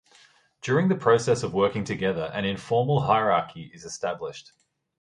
During the process of working together an "informal hierarchy" is established.